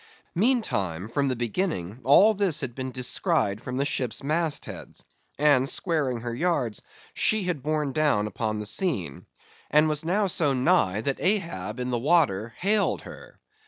Meantime, from the beginning all this had been descried from the ship's mast heads; and squaring her yards, she had borne down upon the scene; and was now so nigh, that Ahab in the water hailed her!